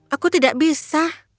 aku tidak bisa